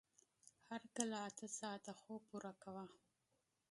همېشه اته ساعته خوب پوره کوه.